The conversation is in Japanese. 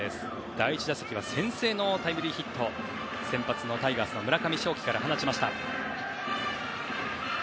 第１打席は先制のタイムリーヒットを先発のタイガースの村上頌樹から放ちました。